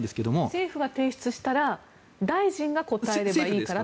政府が提出したら大臣が答えればいいからということですか。